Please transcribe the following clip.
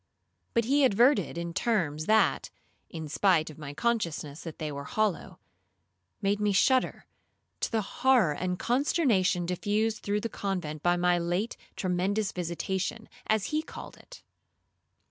But he adverted in terms that (in spite of my consciousness that they were hollow) made me shudder, to the horror and consternation diffused through the convent by my late tremendous visitation, as he called it.